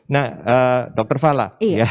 nah dr fala